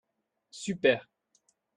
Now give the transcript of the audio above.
Super.